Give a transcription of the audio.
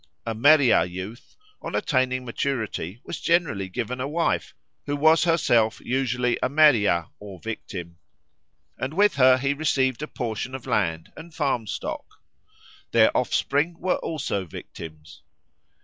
A Meriah youth, on attaining maturity, was generally given a wife, who was herself usually a Meriah or victim; and with her he received a portion of land and farm stock. Their offspring were also victims.